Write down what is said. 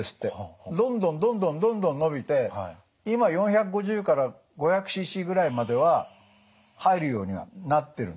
どんどんどんどんどんどん伸びて今４５０から５００ｃｃぐらいまでは入るようになってるんですね。